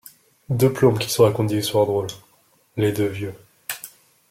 Deux plombes qu’ils se racontent des histoires drôles, les deux vieux.